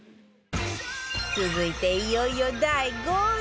続いていよいよ第５位